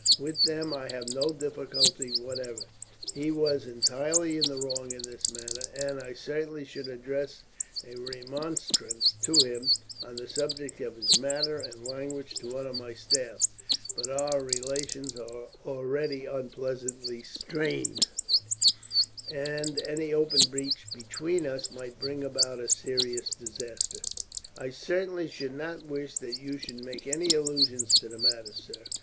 With them I have no difficulty whatever. He was entirely in the wrong in this matter; and I certainly should address a remonstrance to him, on the subject of his manner and language to one of my staff, but our relations are already unpleasantly strained, and any open breach between us might bring about a serious disaster." "I certainly should not wish that you should make any allusion to the matter, sir.